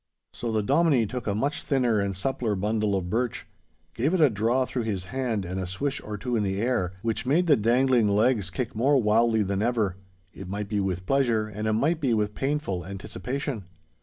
So the Dominie took a much thinner and suppler bundle of birch, gave it a draw through his hand and a swish or two in the air, which made the dangling legs kick more wildly than ever—it might be with pleasure and it might be with painful anticipation.